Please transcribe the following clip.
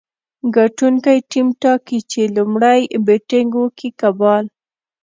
ګټونکی ټیم ټاکي، چي لومړی بېټينګ وکي که بال.